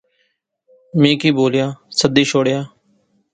میں کی بولایا، سدی شوڑیا